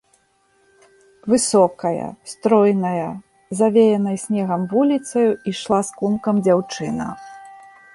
Высокая, стройная, завеянай снегам вуліцаю ішла з клумкам дзяўчына.